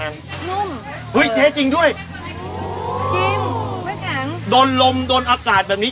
นุ่มเฮ้ยเจ๊จริงด้วยจริงพี่แข็งโดนลมโดนอากาศแบบนี้